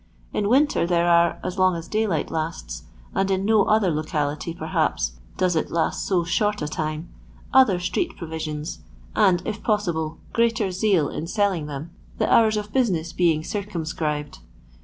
In winter there are, as long as day light lasts— and in no other locality perhaps does it last BO short a time— other street provisions, and, if possible, greater zeal in selling them, the hours of business being circumscribed.